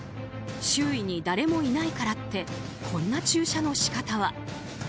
周囲に誰もいないからってこんな駐車の仕方は。